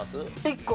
１個。